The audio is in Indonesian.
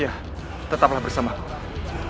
iya tetaplah bersama aku